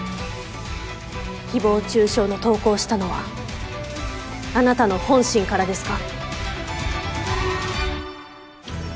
誹謗中傷の投稿をしたのはあなたの本心からですか？